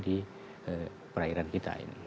di perairan kita ini